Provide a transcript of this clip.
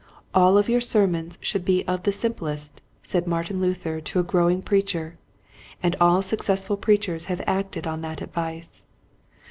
"All of your sermons ^ should be of the simplest," said Martin Luther to a growing preacher, and all successful preachers have acted on that advice.